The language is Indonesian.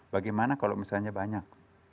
bagaimana kalau misalnya banyak